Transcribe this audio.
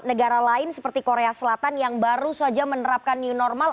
negara lain seperti korea selatan yang baru saja menerapkan new normal